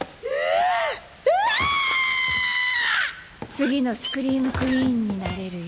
次のスクリーム・クイーンになれるよ。